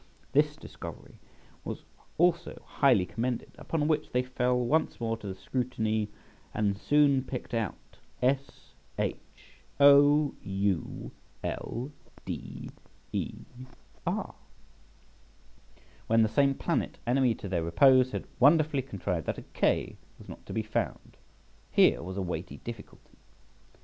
This discovery was also highly commended, upon which they fell once more to the scrutiny, and soon picked out S, H, O, U, L, D, E, R, when the same planet, enemy to their repose, had wonderfully contrived that a K was not to be found. Here was a weighty difficulty!